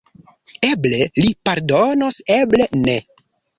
Eble li pardonos, eble ne.